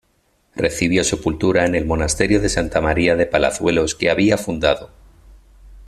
Recibió sepultura en el Monasterio de Santa María de Palazuelos que había fundado.